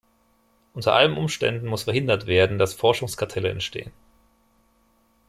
Unter allen Umständen muss verhindert werden, dass Forschungskartelle entstehen.